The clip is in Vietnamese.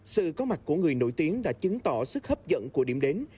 sự có mặt của người nổi tiếng đã chứng tỏ sức hấp dẫn của điểm đến